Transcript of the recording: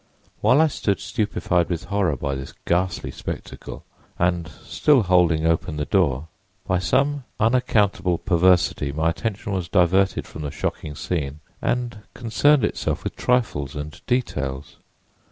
"While I stood stupefied with horror by this ghastly spectacle and still holding open the door, by some unaccountable perversity my attention was diverted from the shocking scene and concerned itself with trifles and details.